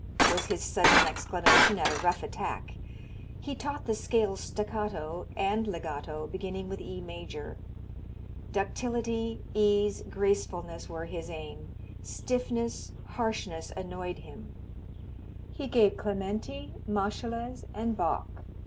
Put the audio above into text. was his sudden exclamation at a rough attack. He taught the scales staccato and legato beginning with E major. Ductility, ease, gracefulness were his aim; stiffness, harshness annoyed him. He gave Clementi, Moscheles and Bach.